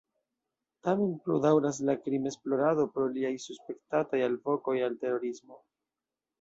Tamen plu daŭras la krimesplorado pro liaj suspektataj “alvokoj al terorismo”.